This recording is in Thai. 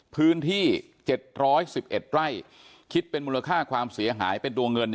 พื้นที่๗๑๑ไร่คิดเป็นมูลค่าความเสียหายเป็นตัวเงิน